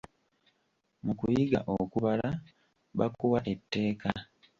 Mu kuyiga okubala, bakuwa etteeka.